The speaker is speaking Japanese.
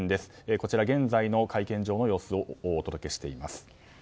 こちら現在の会見場の様子をお届けしています。